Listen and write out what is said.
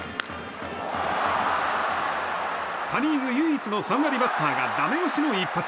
パ・リーグ唯一の３割バッターがダメ押しの一発。